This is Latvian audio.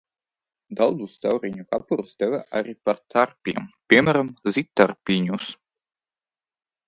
Daudzus tauriņu kāpurus dēvē arī par tārpiem, piemēram, zīdtārpiņus.